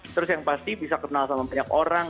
terus yang pasti bisa kenal sama banyak orang